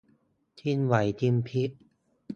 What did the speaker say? ชิงไหวชิงพริบ